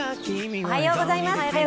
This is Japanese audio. おはようございます。